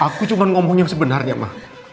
aku cuma ngomong yang sebenarnya mah